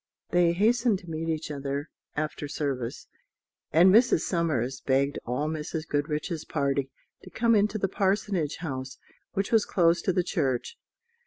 They hastened to meet each other after service; and Mrs. Somers begged all Mrs. Goodriche's party to come into the Parsonage House, which was close to the church.